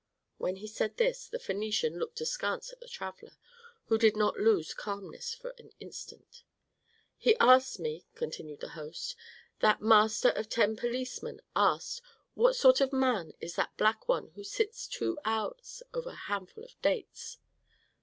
When he said this, the Phœnician looked askance at the traveller, who did not lose calmness for an instant. "He asked me," continued the host, "that master of ten policemen asked, 'What sort of man is that black one who sits two hours over a handful of dates?'